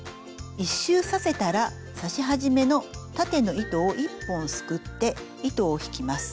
１周させたら刺し始めの縦の糸を１本すくって糸を引きます。